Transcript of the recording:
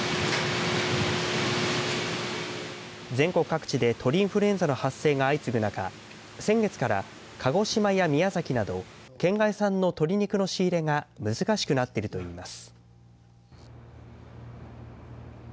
全国各地で鳥インフルエンザの発生が相次ぐ中、先月から、鹿児島や宮崎など県外産の鶏肉の仕入れが難しくなっているといいます。